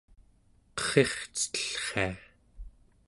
qerrircetellria